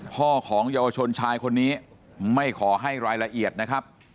พ่อของเยาวชนชายคนนี้ไม่ขอให้รายละเอียดนะครับ